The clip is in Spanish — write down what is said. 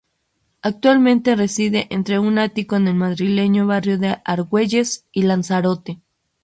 Actualmente reside entre un ático en el madrileño barrio de Argüelles y Lanzarote.